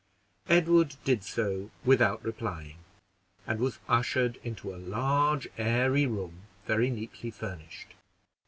Edward did so without replying, and was ushered into a large airy room, very neatly furnished.